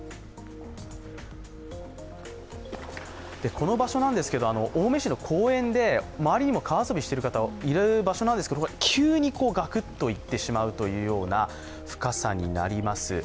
この場所なんですけど、青梅市の公園で、周りにも川遊びをしている方がいる場所なんですけど急にガクッといってしまうような深さになります。